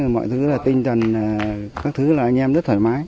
mọi thứ là tinh thần các thứ là anh em rất thoải mái